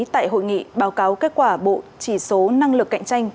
tại hội nghị báo cáo kết quả bộ chỉ số năng lực cạnh tranh